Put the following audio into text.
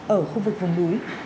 ở khu vực vùng núi